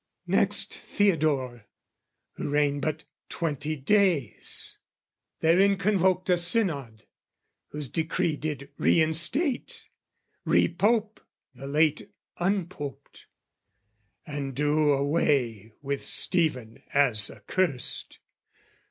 "Next Theodore, who reigned but twenty days, "Therein convoked a synod, whose decree "Did reinstate, repope the late unpoped, "And do away with Stephen as accursed.